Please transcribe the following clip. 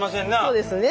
そうですよね。